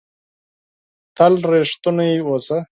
تل ریښتونی اووسه!